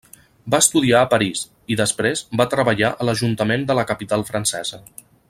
Va estudiar a París i, després, va treballar a l'Ajuntament de la capital francesa.